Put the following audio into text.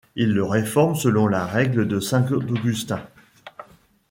Il le réforme selon la règle de saint Augustin.